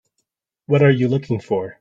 What are you looking for?